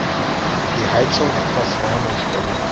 Die Heizung etwas wärmer stellen.